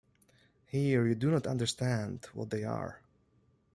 Here you do not understand what they are.